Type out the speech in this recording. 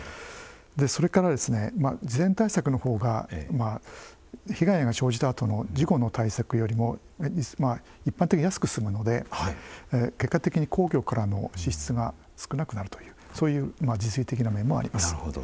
それから事前対策の方が被害が生じたあとの事後の対策よりも一般的に安く済むので結果的に公共からの支出が少なくなるというそういう実利的な面もあります。